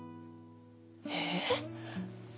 ええ？